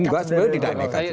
udah sebenarnya tidak nekat